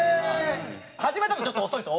始めたのちょっと遅いんです。